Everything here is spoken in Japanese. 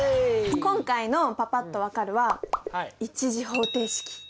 今回のパパっと分かるは１次方程式。